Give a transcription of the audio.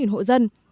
một mươi sáu hộ dân